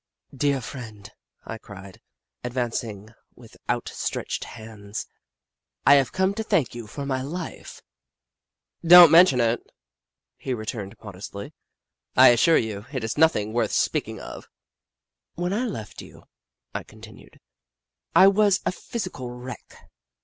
" Dear friend," I cried, advancing with out stretched hands, " I have come to thank you for my life !"" Don't mention it," he returned, modestly. " I assure you, it is nothing worth speaking of." " When I left you," I continued, " I was a physical wreck.